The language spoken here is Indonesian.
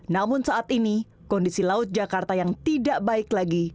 namun saat ini kondisi laut jakarta yang tidak baik lagi